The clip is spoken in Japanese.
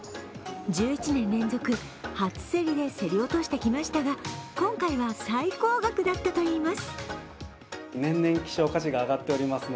１１年連続、初競りで競り落としてきましたが今回は最高額だったといいます。